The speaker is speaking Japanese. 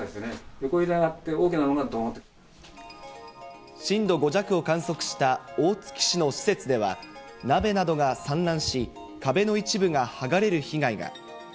横揺れがあって、大きなものがど震度５弱を観測した大月市の施設では、鍋などが散乱し、壁の一部が剥がれる被害が。